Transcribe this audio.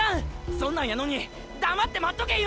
そんなんやのに黙って待っとけ言うんすか！